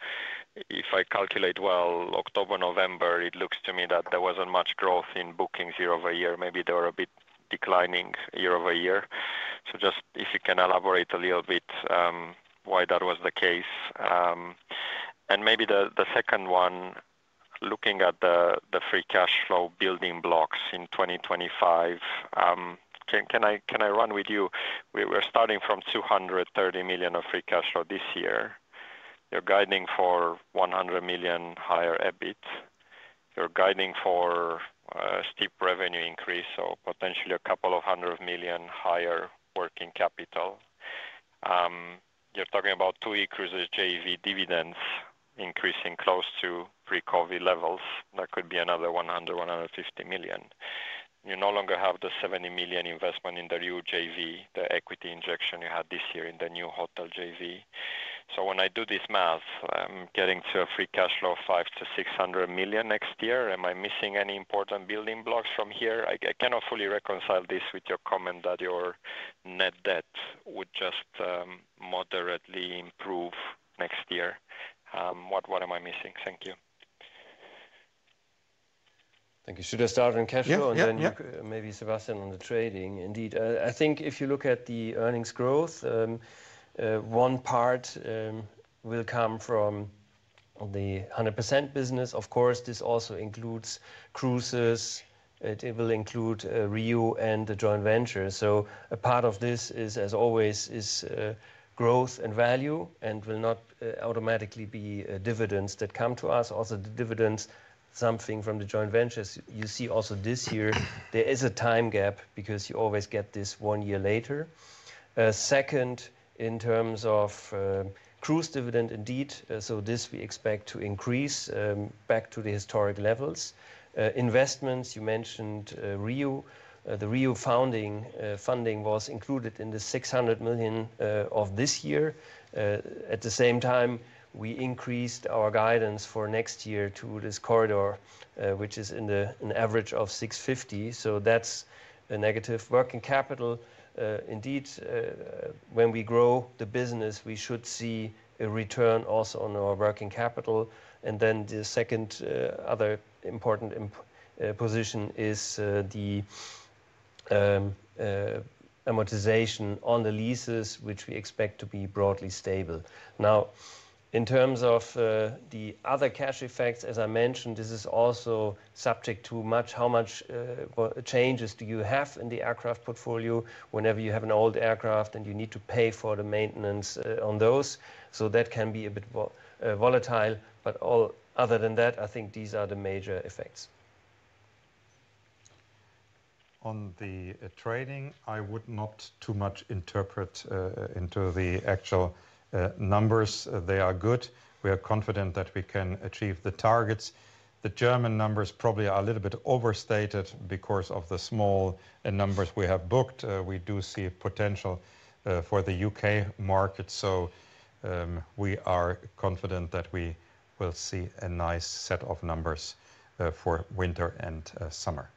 if I calculate well, October, November, it looks to me that there wasn't much growth in bookings year over year. Maybe they were a bit declining year over year. So just if you can elaborate a little bit why that was the case. And maybe the second one, looking at the free cash flow building blocks in 2025, can I run with you? We're starting from 230 million of free cash flow this year. You're guiding for 100 million higher EBIT. You're guiding for steep revenue increase, so potentially a couple of hundred million higher working capital. You're talking about TUI Cruises' JV dividends increasing close to pre-COVID levels. That could be another 100-150 million. You no longer have the 70 million investment in the new JV, the equity injection you had this year in the new hotel JV. So when I do this math, I'm getting to a free cash flow of 500-600 million next year. Am I missing any important building blocks from here? I cannot fully reconcile this with your comment that your net debt would just moderately improve next year. What am I missing? Thank you. Thank you. Should I start on cash flow and then maybe Sebastian on the trading? Indeed. I think if you look at the earnings growth, one part will come from the 100% business. Of course, this also includes cruises. It will include RIU and the joint venture. So a part of this is, as always, growth and value and will not automatically be dividends that come to us. Also, the dividends, something from the joint ventures. You see also this year, there is a time gap because you always get this one year later. Second, in terms of cruise dividend, indeed, so this we expect to increase back to the historic levels. Investments, you mentioned RIU. The RIU funding was included in the 600 million of this year. At the same time, we increased our guidance for next year to this corridor, which is in an average of 650 million. So that's a negative working capital. Indeed, when we grow the business, we should see a return also on our working capital. And then the second other important position is the amortization on the leases, which we expect to be broadly stable. Now, in terms of the other cash effects, as I mentioned, this is also subject to how much changes do you have in the aircraft portfolio whenever you have an old aircraft and you need to pay for the maintenance on those. So that can be a bit volatile. But other than that, I think these are the major effects. On the trading, I would not too much interpret into the actual numbers. They are good. We are confident that we can achieve the targets. The German numbers probably are a little bit overstated because of the small numbers we have booked. We do see potential for the UK market. So we are confident that we will see a nice set of numbers for winter and summer.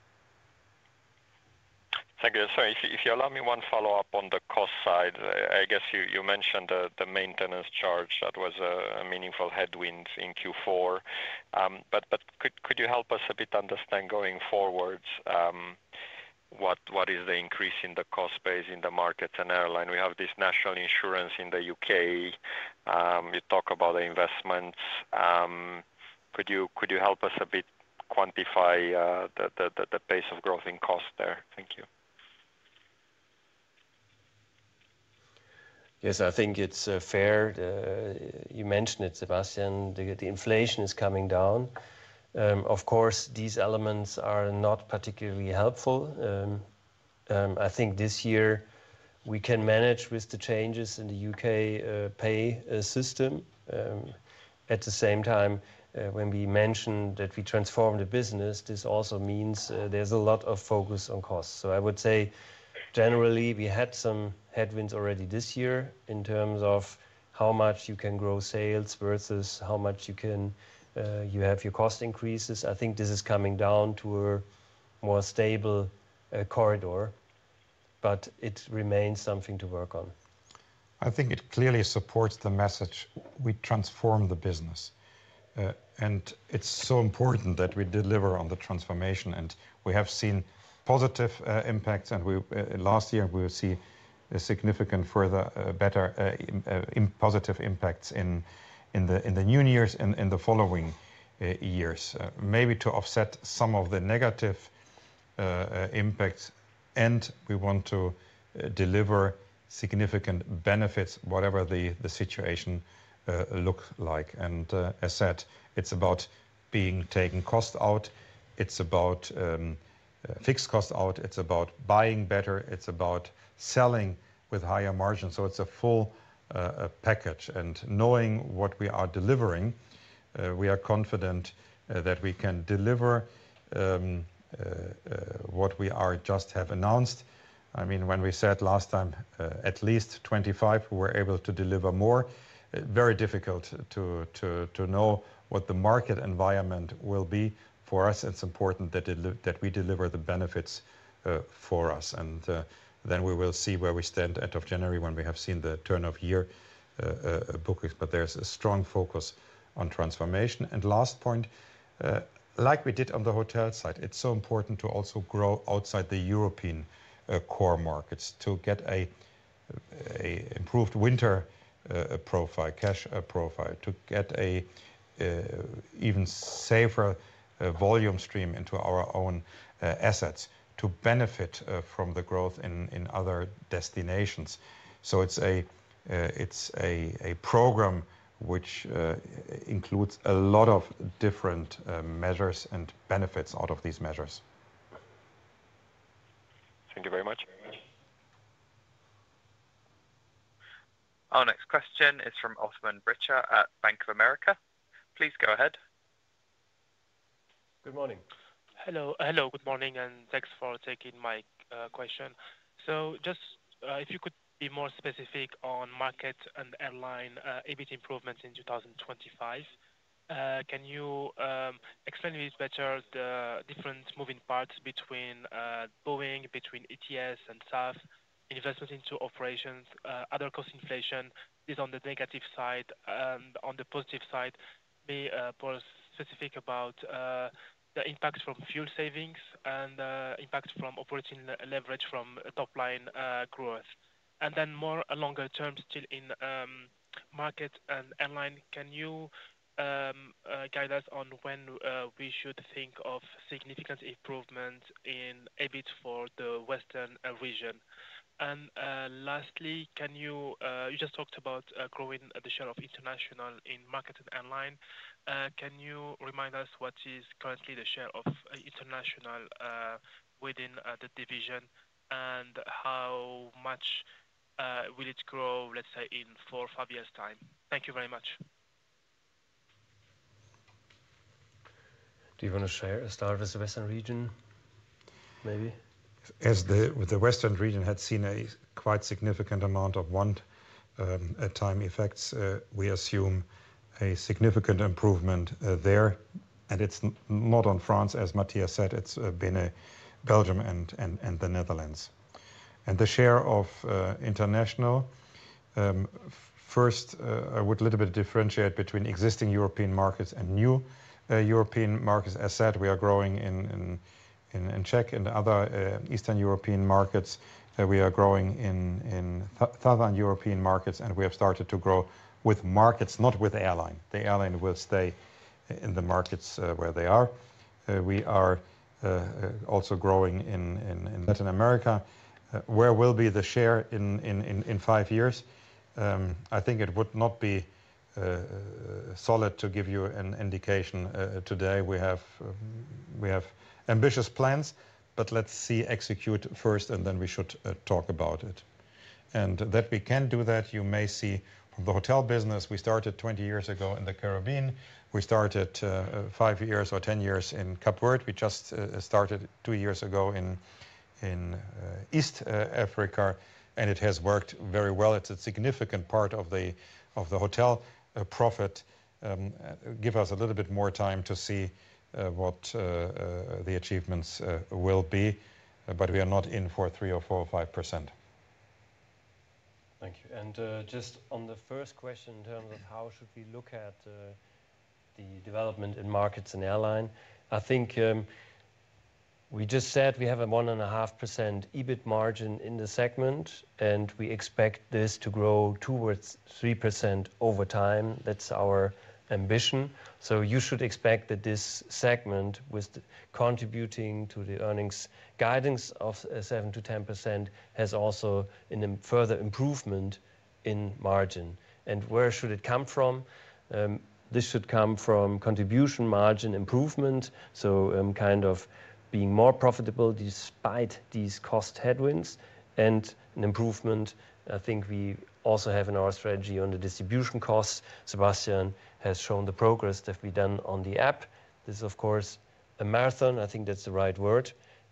Thank you. Sorry, if you allow me one follow-up on the cost side, I guess you mentioned the maintenance charge. That was a meaningful headwind in Q4. But could you help us a bit understand going forward what is the increase in the cost base in the markets and airline? We have this national insurance in the UK. You talk about investments. Could you help us a bit quantify the pace of growth in cost there? Thank you. Yes, I think it's fair. You mentioned it, Sebastian. The inflation is coming down. Of course, these elements are not particularly helpful. I think this year we can manage with the changes in the UK pay system. At the same time, when we mentioned that we transformed the business, this also means there's a lot of focus on costs. So I would say generally we had some headwinds already this year in terms of how much you can grow sales versus how much you have your cost increases. I think this is coming down to a more stable corridor, but it remains something to work on. I think it clearly supports the message. We transform the business. And it's so important that we deliver on the transformation. And we have seen positive impacts. And last year, we will see significant further better positive impacts in the new years and in the following years. Maybe to offset some of the negative impacts. And we want to deliver significant benefits, whatever the situation looks like. And as said, it's about being taken cost out. It's about fixed cost out. It's about buying better. It's about selling with higher margins. So it's a full package. And knowing what we are delivering, we are confident that we can deliver what we just have announced. I mean, when we said last time, at least 25, we're able to deliver more. Very difficult to know what the market environment will be for us. It's important that we deliver the benefits for us, and then we will see where we stand as of January when we have seen the turn of year bookings, but there's a strong focus on transformation, and last point, like we did on the hotel side, it's so important to also grow outside the European core markets to get an improved winter profile, cash profile, to get an even safer volume stream into our own assets, to benefit from the growth in other destinations, so it's a program which includes a lot of different measures and benefits out of these measures. Thank you very much. Our next question is from Osman Memisoglu at Bank of America. Please go ahead. Good morning. Hello. Hello. Good morning, and thanks for taking my question. So just if you could be more specific on Northern and Airline EBIT improvements in 2025, can you explain to me better the different moving parts between Boeing, between ETS and SAF, investment into operations, other cost inflation is on the negative side. On the positive side, be specific about the impact from fuel savings and impact from operating leverage from top line growth. And then more longer term still in Northern and Airline, can you guide us on when we should think of significant improvements in EBIT for the Western Region? And lastly, can you just talked about growing the share of international in Northern and Airline. Can you remind us what is currently the share of international within the division and how much will it grow, let's say, in four, five years' time? Thank you very much. Do you want to start with the Western Region, maybe? As the Western Region had seen a quite significant amount of one-time effects, we assume a significant improvement there, and it's not on France, as Mathias said. It's been Belgium and the Netherlands, and the share of international, first, I would a little bit differentiate between existing European markets and new European markets. As said, we are growing in Czech and other Eastern European markets. We are growing in Southern European markets, and we have started to grow with markets, not with airline. The airline will stay in the markets where they are. We are also growing in Latin America. Where will be the share in five years? I think it would not be solid to give you an indication today. We have ambitious plans, but let's see execute first, and then we should talk about it, and that we can do that, you may see from the hotel business. We started 20 years ago in the Caribbean. We started five years or 10 years in Cape Verde. We just started two years ago in East Africa, and it has worked very well. It's a significant part of the hotel profit. Give us a little bit more time to see what the achievements will be. But we are not in for 3%, 4%, or 5%. Thank you. And just on the first question in terms of how should we look at the development in markets and airline, I think we just said we have a 1.5% EBIT margin in the segment, and we expect this to grow towards 3% over time. That's our ambition. So you should expect that this segment, with contributing to the earnings guidance of 7%-10%, has also further improvement in margin. And where should it come from? This should come from contribution margin improvement, so kind of being more profitable despite these cost headwinds, and an improvement I think we also have in our strategy on the distribution costs. Sebastian has shown the progress that we've done on the app. This is, of course, a marathon. I think that's the right word,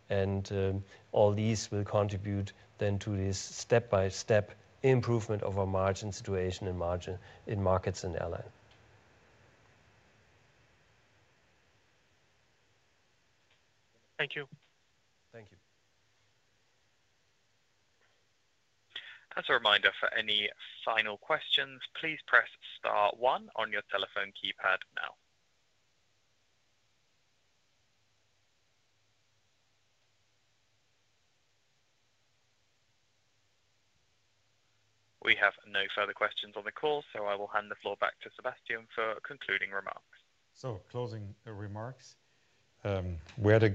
and all these will contribute then to this step-by-step improvement of our margin situation and margin in markets and airline. Thank you. Thank you. As a reminder, for any final questions, please press star one on your telephone keypad now. We have no further questions on the call, so I will hand the floor back to Sebastian for concluding remarks. Closing remarks. We had a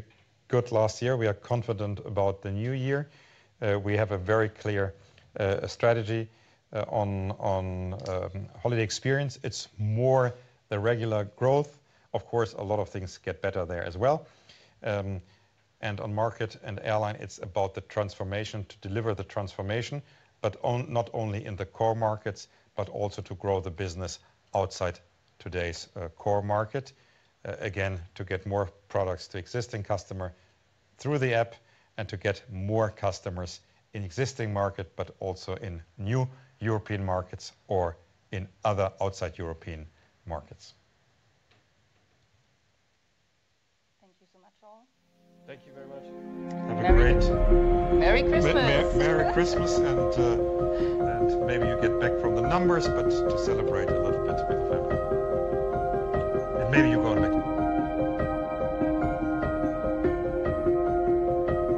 good last year. We are confident about the new year. We have a very clear strategy on holiday experience. It's more the regular growth. Of course, a lot of things get better there as well, and on market and airline, it's about the transformation to deliver the transformation, but not only in the core markets, but also to grow the business outside today's core market. Again, to get more products to existing customer through the app and to get more customers in existing market, but also in new European markets or in other outside European markets. Thank you so much, all. Thank you very much. Have a great Christmas. Merry Christmas. Merry Christmas. And maybe you get back from the numbers, but to celebrate a little bit with the family, and maybe you go and meet.